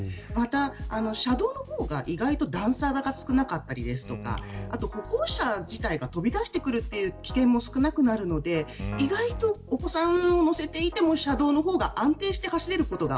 車道の方が段差が少なかったり歩行者自体が飛び出してくるという危険も少なくなるので意外と、お子さんを乗せていても車道の方が安定して走れることが